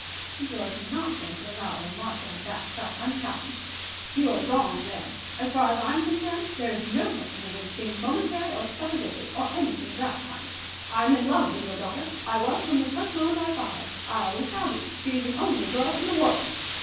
George was not going to allow a remark like that to pass unchallenged. "You are wrong there. As far as I am concerned, there is no question of its being momentary or supposititious or anything of that kind. I am in love with your daughter. I was from the first moment I saw her. I always shall be. She is the only girl in the world!"